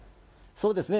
そうですね。